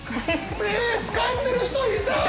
使ってる人いた！